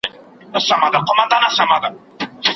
جهاني شپې مي کړې سپیني توري ورځي مي راوړي